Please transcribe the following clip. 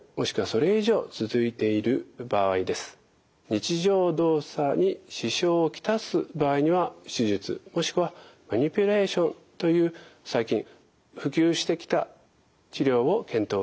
日常動作に支障を来す場合には手術もしくはマニピュレーションという最近普及してきた治療を検討します。